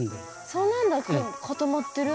そうなんだ固まってる。